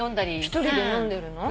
１人で飲んでるの？